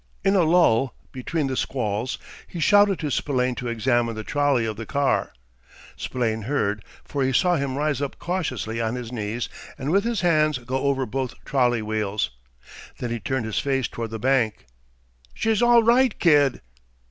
In a lull between the squalls he shouted to Spillane to examine the trolley of the car. Spillane heard, for he saw him rise up cautiously on his knees, and with his hands go over both trolley wheels. Then he turned his face toward the bank. "She's all right, kid!"